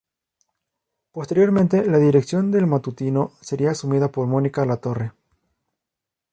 Posteriormente la dirección del matutino sería asumida por Mónica Latorre.